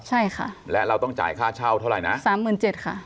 ใช่ค่ะและเราต้องจ่ายค่าเช่าเท่าไหร่นะสามหมื่นเจ็ดค่ะ